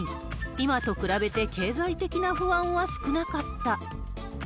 今と比べて経済的な不安は少なかった。